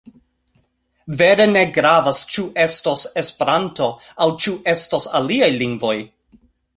Vere ne gravas ĉu estos Esperanto aŭ ĉu estos aliaj lingvoj.